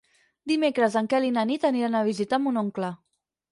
Dimecres en Quel i na Nit aniran a visitar mon oncle.